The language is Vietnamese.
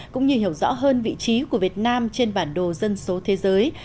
cũng như hiểu rõ hơn vị trí của việt nam trên bản đồ dân số thế giới